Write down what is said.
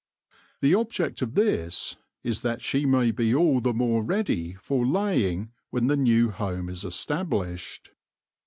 The object of this is that she may be all the more ready for laying when the new home is estab lished.